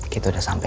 kita udah sampe